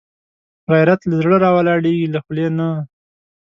غیرت له زړه راولاړېږي، له خولې نه